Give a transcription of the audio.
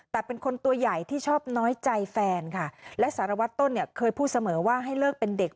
แต่เป็นคนตัวใหญ่ที่ชอบน้อยใจแฟนค่ะและสารวัตรต้นเนี่ยเคยพูดเสมอว่าให้เลิกเป็นเด็ก